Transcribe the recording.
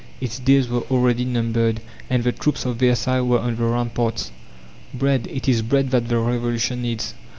Its days were already numbered, and the troops of Versailles were on the ramparts. "Bread, it is bread that the Revolution needs!"